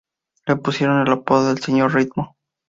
Le pusieron el apodo de "Sr. Ritmo".